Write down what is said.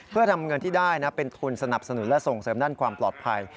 เพื่อทำเงินที่ได้เป็นทุนสนับสนุนและส่งเสริมด้านความปลอดภัย